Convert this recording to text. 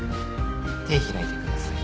手開いてください。